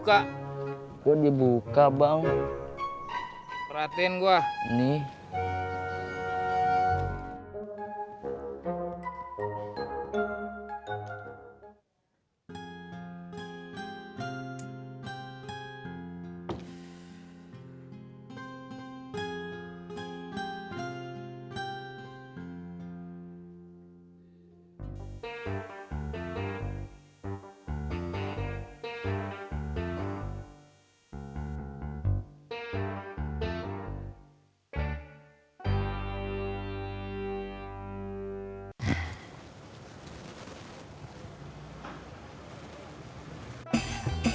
ah jogetnya kurang lincah